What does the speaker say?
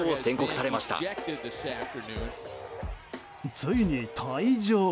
ついに、退場。